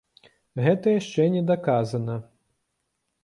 Гэта яшчэ не даказана.